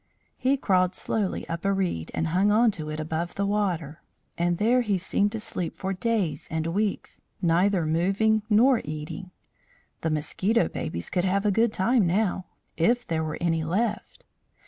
He crawled slowly up a reed and hung on to it above the water, and there he seemed to sleep for days and weeks, neither moving nor eating. The mosquito babies could have a good time now if there were any left.